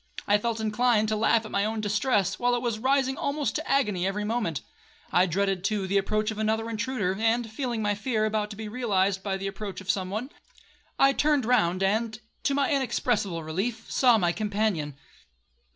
I felt inclined to laugh at my own distress, while it was rising almost to agony every moment. I dreaded, too, the approach of another intruder, and feeling my fear about to be realized by the approach of some one, I turned round, and, to my inexpressible relief, saw my companion.